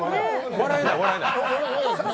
笑えない、笑えない。